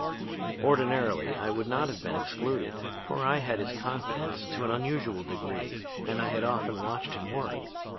"Ordinarily I would not have been excluded, for I had his confidence to an unusual degree and I had often watched him work.